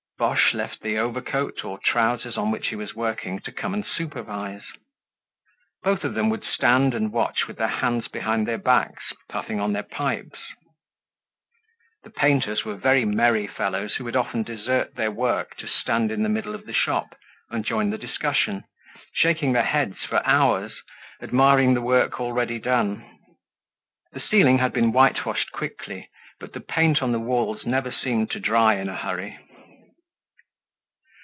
Boche left the overcoat or trousers on which he was working to come and supervise. Both of them would stand and watch with their hands behind their backs, puffing on their pipes. The painters were very merry fellows who would often desert their work to stand in the middle of the shop and join the discussion, shaking their heads for hours, admiring the work already done. The ceiling had been whitewashed quickly, but the paint on the walls never seemed to dry in a hurry.